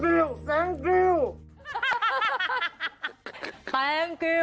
เราต้องกินแบบนี้